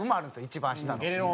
一番下の。